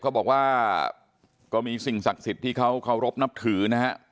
ก็บอกว่ามีสิ่งศักดิ์ศิษย์ที่เขารบนับถือ